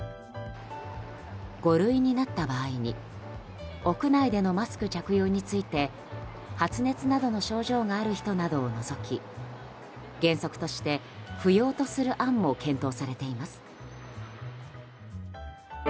五類になった場合に屋内でのマスク着用について発熱などの症状がある人などを除き原則として不要とする案も検討されています。